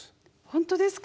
ホントですか！